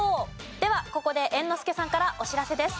ではここで猿之助さんからお知らせです。